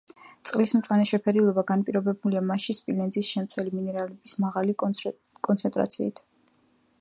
წყლის მწვანე შეფერილობა განპირობებულია მასში სპილენძის შემცველი მინერალების მაღალი კონცენტრაციით.